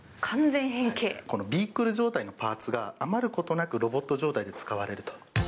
このビークル状態のパーツが余ることなく、ロボット状態で使われると。